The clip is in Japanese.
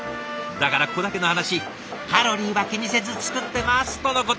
だからここだけの話「カロリーは気にせず作ってます！」とのこと。